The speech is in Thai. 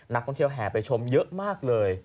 นักท่องเที่ยวแห่ไปชมเยอะมากเลย